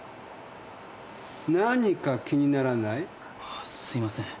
何か気にならない？はあすいません。